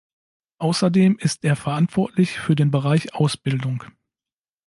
Außerdem ist er verantwortlich für den Bereich Ausbildung.